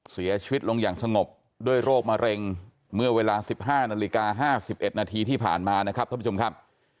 เสียชีวิตลงอย่างสงบด้วยโรคมะเร็งเมื่อเวลา๑๕นาฬิกา๕๑นาทีที่ผ่านมานะครับท่านผู้ชมครับ